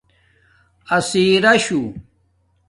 اسیراشوں